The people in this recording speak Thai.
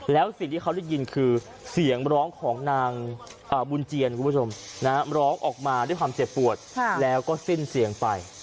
แล้วสิ่งที่เขาได้ยินคือเสียงร้องของนางบุญเจียนคุณผู้ชมร้องออกมาด้วยความเจ็บปวดแล้วก็สิ้นเสียงไป